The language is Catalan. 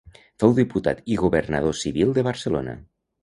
Fou diputat i governador civil de Barcelona.